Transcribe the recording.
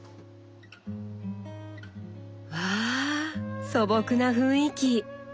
わあ素朴な雰囲気。